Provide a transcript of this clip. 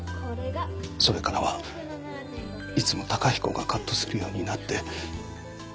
それからはいつも崇彦がカットするようになって。